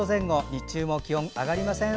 日中も気温上がりません。